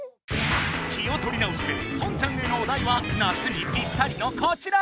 気をとり直してポンちゃんへのおだいは夏にぴったりのこちら！